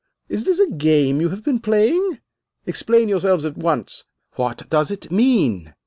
Is this a game you have been playing? Explain yourselves at once. What does it mean?"